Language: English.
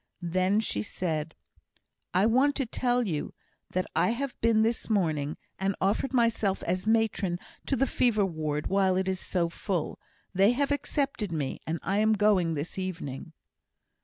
Then she said: "I want to tell you, that I have been this morning and offered myself as matron to the fever ward while it is so full. They have accepted me; and I am going this evening."